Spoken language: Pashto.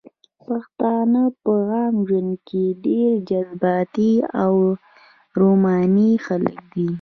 پښتانه په عام ژوند کښې ډېر جذباتي او روماني خلق دي